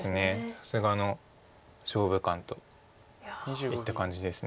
さすがの勝負勘といった感じです。